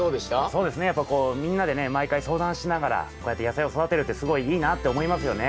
そうですねやっぱこうみんなでね毎回相談しながらこうやって野菜を育てるってすごいいいなあって思いますよね。